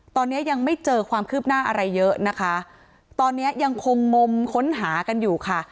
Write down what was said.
ตอนนี้ยังไม่เจอความคืบหน้าอะไรเยอะนะคะตอนนี้ยังคงงมค้นหากันอยู่ค่ะ